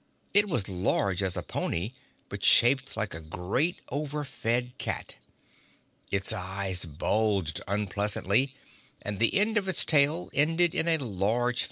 It was large as a pony, but shaped like a great overfed cat. Its eyes bulged unpleasantly and the end of its tail ended in a large fan.